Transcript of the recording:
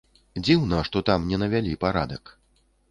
Дзіўна, што там не навялі парадак.